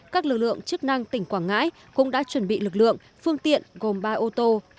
các lực lượng chức năng tỉnh quảng ngãi cũng đã chuẩn bị lực lượng phương tiện gồm ba ô tô